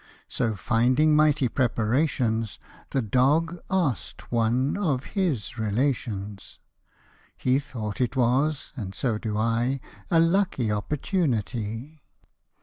So finding mighty preparations, The dog ask'd one of his relations ; He thought it was, and so do I, A lucky opportunity.